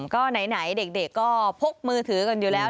ก็ไหนเด็กก็พกมือถือกันอยู่แล้ว